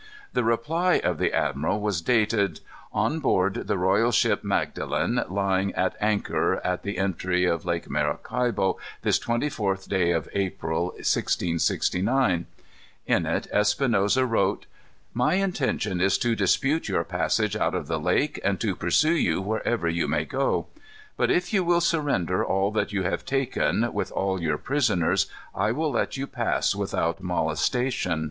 The reply of the admiral was dated "On board the royal ship Magdalen, lying at anchor at the entry of Lake Maracaibo, this 24th day of April, 1669." In it Espinosa wrote: "My intention is to dispute your passage out of the lake, and to pursue you wherever you may go. But if you will surrender all that you have taken, with all your prisoners, I will let you pass without molestation.